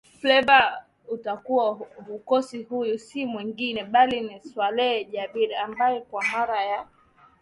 Fleva utakuwa hukosei Huyu si mwingine bali ni Saleh Jabir ambaye kwa mara ya